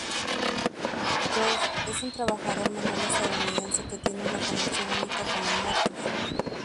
George es un trabajador manual estadounidense que tiene una conexión única con los muertos.